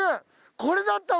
これだったわ。